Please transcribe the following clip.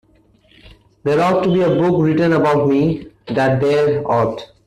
There ought to be a book written about me, that there ought!